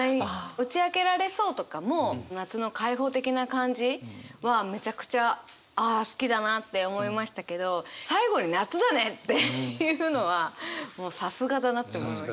「打ちあけられそう」とかも夏の開放的な感じはめちゃくちゃああ好きだなって思いましたけど最後に「夏だね」っていうのはもうさすがだなって思いました。